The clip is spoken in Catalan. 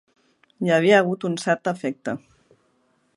Hi havia hagut un cert afecte.